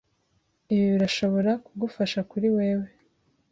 Ibi birashobora kugufasha kuri wewe.